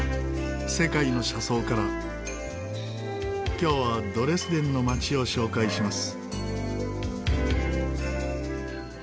今日はドレスデンの街を紹介します。